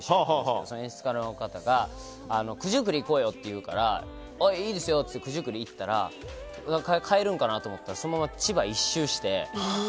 その演出家の方が九十九里に行こうよって言うからいいですよって言って九十九里に行ったら帰るんかなと思ったらそのまま千葉１周して。